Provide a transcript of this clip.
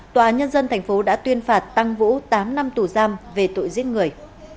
tòa nhân dân thành phố đã tuyên phạt tăng vũ tám năm tù giam về tội giết người